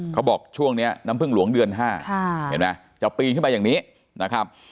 เขาบอกช่วงนี้น้ำพึ่งหลวงเดือน๕เห็นไหมจะปีนขึ้นมาอย่างนี้นะครับ